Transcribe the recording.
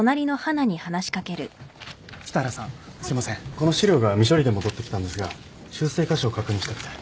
この資料が未処理で戻ってきたんですが修正箇所を確認したくて。